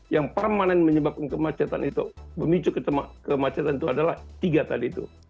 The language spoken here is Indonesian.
yang permanen menyebabkan kemacetan itu memicu kemacetan itu adalah tiga tadi itu